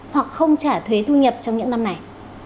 hoặc không trả thuế thu nhập trong những năm này